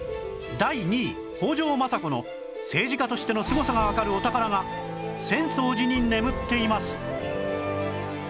第２位北条政子の政治家としてのすごさがわかるお宝が浅草寺に眠っています